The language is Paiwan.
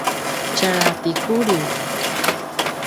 tjara ti Kuliu